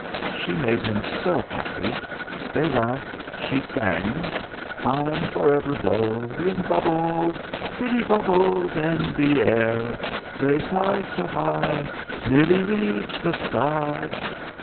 She made him so happy. They laughed. She sang I'm for ever blowing bubbles, Pretty bubbles in the air. They fly so high, nearly reach the sky....